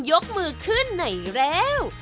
ยกมือขึ้นไหนแล้ว